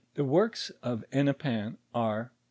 The works of Hennepin are, I.